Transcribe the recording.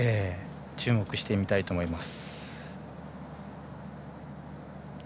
注目したいと思います。